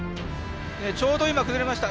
ちょうど今崩れました。